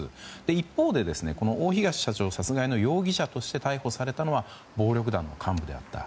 一方で、大東社長殺害の容疑者として逮捕されたのは暴力団幹部であった。